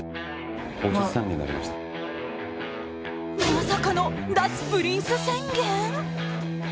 まさかの脱プリンス宣言？